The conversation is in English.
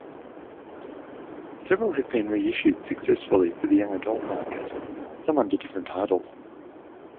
Several have been reissued successfully for the young-adult market, some under different titles.